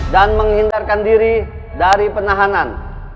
dan menghindarkan diri dari penahanan